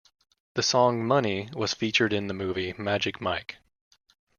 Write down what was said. The song "Money" was featured in the movie Magic Mike.